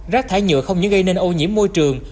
rác thải nhựa không chỉ gây nên ô nhiễm môi trường